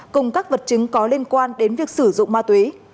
cùng các vật chứng có liên quan đến việc sử dụng ma túy